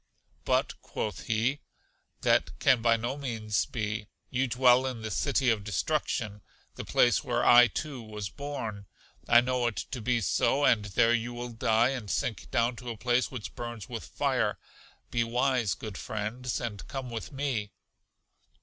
But, quoth he, that can by no means be; you dwell in the City of Destruction, the place where I, too, was born. I know it to be so, and there you will die and sink down to a place which burns with fire; be wise, good friends, and come with me.